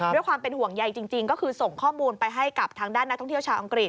ด้วยความเป็นห่วงใยจริงก็คือส่งข้อมูลไปให้กับทางด้านนักท่องเที่ยวชาวอังกฤษ